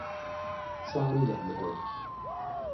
閂引號